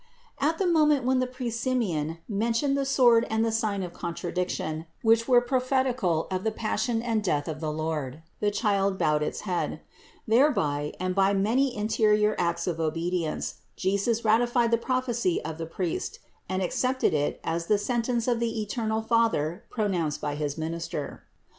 At the moment when the priest Simeon men tioned the sword and the sign of contradiction, which were prophetical of the passion and death of the Lord, the Child bowed its head. Thereby, and by many in terior acts of obedience, Jesus ratified the prophecy of the priest and accepted it as the sentence of the eternal Father pronounced by his minister.